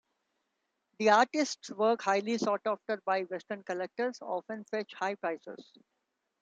The artists' works, highly sought after by western collectors, often fetch high prices.